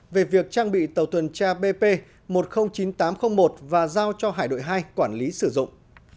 về việc trang bị tàu tuần tra bp một trăm linh chín nghìn tám trăm linh một và giao cho hải đội hai quản lý sử dụng